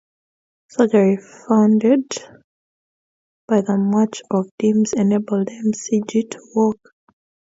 Surgery funded by the March of Dimes enabled McGhee to walk.